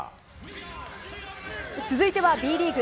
続いてはＢリーグ。